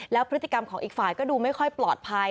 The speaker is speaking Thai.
แล้วพฤติกรรมของอีกฝ่ายก็ดูไม่ค่อยปลอดภัย